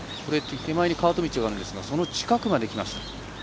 手前にカート道がありますがその近くまできました。